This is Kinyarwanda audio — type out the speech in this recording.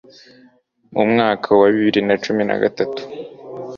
mu mwaka wa bibiri na cumi nagatanu